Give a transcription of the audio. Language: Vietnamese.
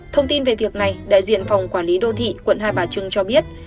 thông tin về việc này đại diện phòng quản lý đô thị quận hai bà trưng cho biết